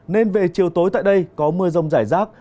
nên về chiều tối tại đây có mưa rông rải rác